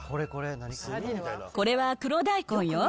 これは黒大根よ。